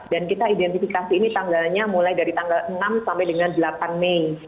dan kita identifikasi ini tanggalnya mulai dari tanggal enam sampai dengan delapan mei